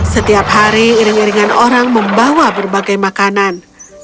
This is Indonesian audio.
setiap hari iring iringan orang membawa berbagai makanan